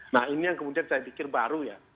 nah ini yang kemudian saya pikir baru ya